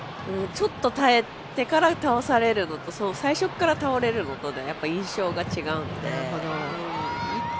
ちょっと耐えてから倒されるのと最初から倒れるのとでは印象が違うので。